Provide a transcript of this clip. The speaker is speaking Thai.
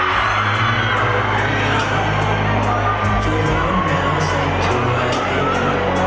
หากมันบอกกันแล้วที่ร้อนแล้วสันติวะให้รู้